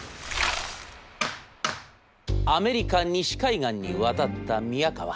「アメリカ西海岸に渡った宮河。